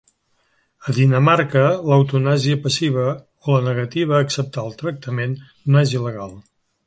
A Dinamarca, l'eutanàsia passiva, o la negativa a acceptar el tractament, no és il·legal.